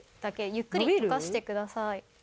ゆっくりとかしてください。